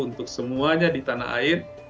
untuk semuanya di tanah air